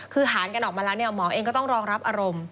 คือหารกันออกมาแล้วเนี่ยหมอเองก็ต้องรองรับอารมณ์